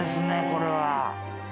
これは。